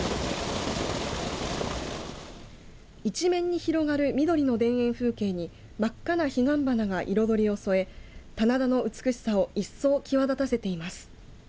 一面に広がる緑の田園風景に真っ赤な彼岸花が彩りを添え棚田の美しさを一層際立たせています。